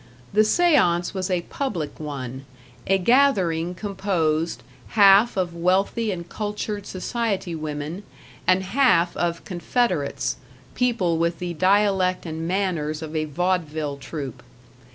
The #séance# was a public one, a gathering composed, half of wealthy and cultured society women, and half of confederates, people with the dialect and manners of a vaudeville troupe.